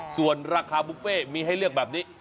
ส่วนราคาบุฟเฟ่มีให้เลือกแบบนี้